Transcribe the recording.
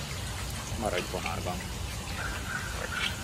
Maradj vonalban.